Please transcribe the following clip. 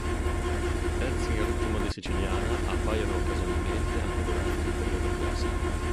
Pezzi in ritmo di siciliana appaiono occasionalmente anche durante il periodo classico.